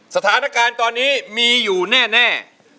สถานการณ์ตอนนี้มีอยู่แน่